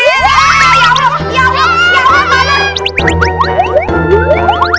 ya allah ya allah ya allah banget